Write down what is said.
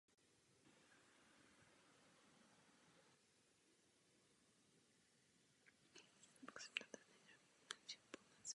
Ojediněle se vyskytuje u ptáků chovaných v zoologických zahradách.